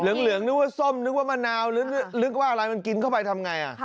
เหลืองเหลืองนึกว่าส้มนึกว่ามะนาวหรือหรือหรือว่าอะไรมันกินเข้าไปทำไงอ่ะ